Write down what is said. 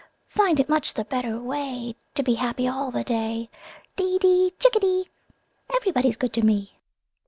Find it much the better way To be happy all the day. Dee dee chickadee! Everybody's good to me!"